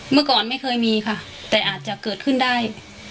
เมื่อก่อนไม่เคยมีค่ะแต่อาจจะเกิดขึ้นได้